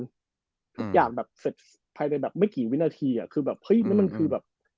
ทุกอย่างแบบเสร็จภายในแบบไม่กี่วินาทีอ่ะคือแบบเฮ้ยแล้วมันคือแบบ